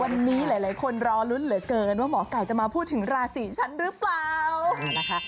วันนี้หลายคนรอลุ้นเหลือเกินว่าหมอไก่จะมาพูดถึงราศีฉันหรือเปล่านะคะ